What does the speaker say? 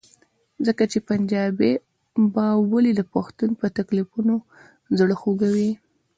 ځکه چې پنجابی به ولې د پښتنو په تکلیفونو زړه خوږوي؟